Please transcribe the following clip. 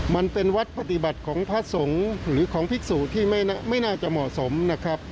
มันเป็นวัดปฏิบัติของพระสงฆ์หรือของภิกษุที่ไม่น่าจะเหมาะสมนะครับ